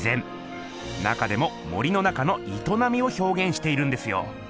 中でも森の中のいとなみをひょうげんしているんですよ。